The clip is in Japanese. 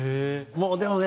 もうでもね